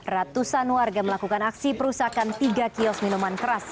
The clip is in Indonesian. ratusan warga melakukan aksi perusakan tiga kios minuman keras